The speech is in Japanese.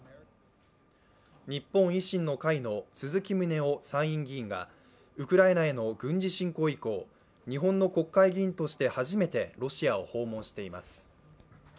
日本維新の会の鈴木宗男参院議員がウクライナへの軍事侵攻以降、日本の国会議員として初めてロシアを訪問しています。